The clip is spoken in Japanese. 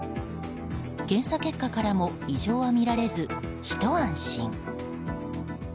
検査結果からも異常は見られずひと安心。